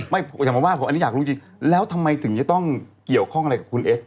อย่ามาว่าผมอันนี้อยากรู้จริงแล้วทำไมถึงจะต้องเกี่ยวข้องอะไรกับคุณเอส